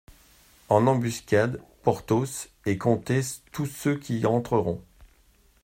En embuscade, Porthos, et comptez tous ceux qui entreront.